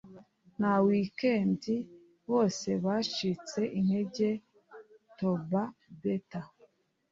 nta wikendi, bose bacitse intege - toba beta